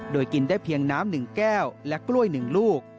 โดยกินได้เพียงน้ำ๑แก้วและกล้วย๑ลูก